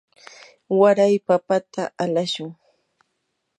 waray papata alashun.